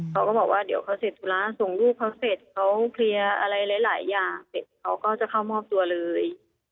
เขาก็บอกว่าเดี๋ยวเขาเสร็จธุระส่งลูกเขาเสร็จเขาเคลียร์อะไรหลายอย่างเสร็จเขาก็จะเข้ามอบตัวเลย